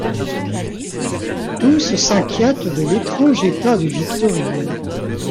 Tous s'inquiètent de l'étrange état de Victorine.